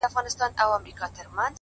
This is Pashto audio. • نور به نه اورې ژړا د ماشومانو,